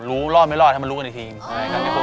รู้รอดไม่รอดทำมารู้กันอีกที